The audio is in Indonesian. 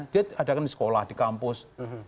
dia adakan di sekolah di kampus